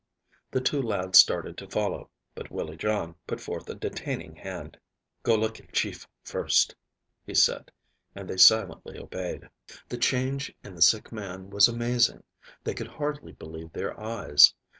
The two lads started to follow, but Willie John put forth a detaining hand. "Go look at chief first," he said, and they silently obeyed. The change in the sick man was amazing. They could hardly believe their eyes.